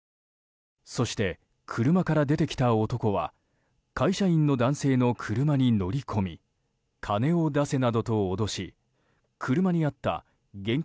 そして、車から出てきた男は会社員の男性の車に乗り込み金を出せなどと脅し車にあった現金